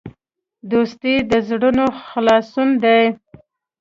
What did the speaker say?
دوستي د زړونو خلاصون دی.